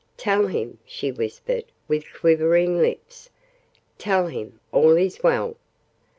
"Tell him," she whispered with quivering lips, "tell him all is well!"